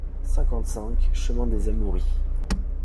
cinquante-cinq chemin des Amouries